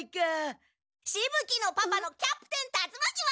しぶ鬼のパパのキャプテン達魔鬼は？